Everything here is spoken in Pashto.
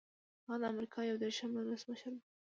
هغه د امریکا یو دېرشم ولسمشر و.